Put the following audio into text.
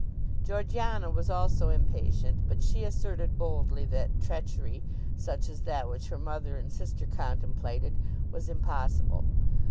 Georgiana was also impatient, but she asserted boldly that treachery, such as that which her mother and sister contemplated, was impossible.